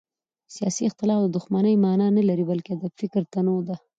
سیاسي اختلاف د دښمنۍ مانا نه لري بلکې د فکر تنوع ده